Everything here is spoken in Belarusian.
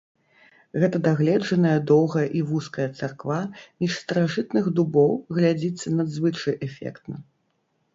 Гэта дагледжаная доўгая і вузкая царква між старажытных дубоў глядзіцца надзвычай эфектна.